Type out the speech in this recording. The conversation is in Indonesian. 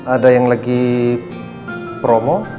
ada yang lagi promo